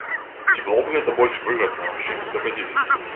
Ці было б гэта больш выгадна, чым дэпазіт?